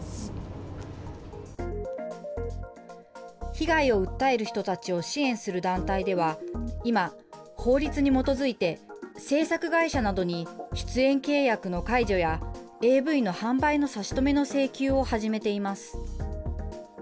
被害を訴える人たちを支援する団体では、今、法律に基づいて制作会社などに出演契約の解除やＡＶの販売の差し止めの請求を始めています。